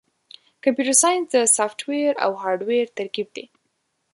کمپیوټر ساینس د سافټویر او هارډویر ترکیب دی.